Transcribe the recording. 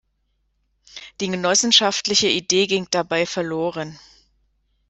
Die genossenschaftliche Idee ging dabei verloren.